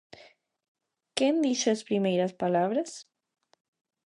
Quen dixo as primeiras palabras?